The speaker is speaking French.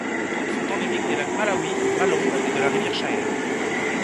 Toutes sont endémiques des lacs Malawi, Malombe et de la rivière Shire.